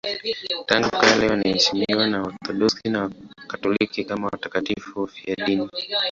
Tangu kale wanaheshimiwa na Waorthodoksi na Wakatoliki kama watakatifu wafiadini.